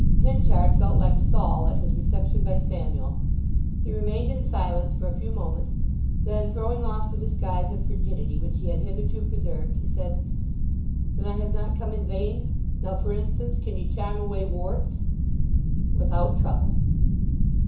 Henchard felt like Saul at his reception by Samuel; he remained in silence for a few moments, then throwing off the disguise of frigidity which he had hitherto preserved he said, "Then I have not come in vain.... Now, for instance, can ye charm away warts?" "Without trouble."